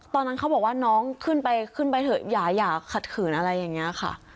ตอนนั้นเขาบอกว่าน้องขึ้นไปขึ้นไปเถอะอย่าขัดขืนอะไรอย่างนี้ค่ะ